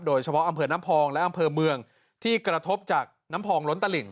โดยเฉพาะอำเภอน้ำพองและอำเภอเมืองที่กระทบจากน้ำพองล้นตลิ่ง